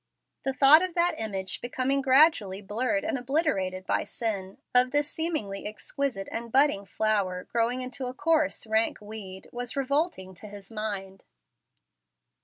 The thought of that image becoming gradually blurred and obliterated by sin of this seemingly exquisite and budding flower growing into a coarse, rank weed was revolting to his mind.